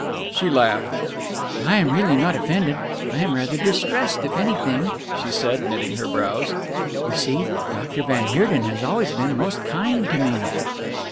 She laughed. "I am really not offended. I am rather distressed, if anything," she said, knitting her brows. "You see, Doctor van Heerden has always been most kind to me."